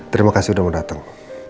terima kasih udah mau dateng